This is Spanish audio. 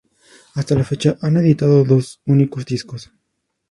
Hasta la fecha, han editado dos únicos discos.